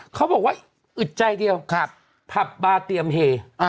เขาบอกว่าอึดใจเดียวผับบาเตรียมเฮ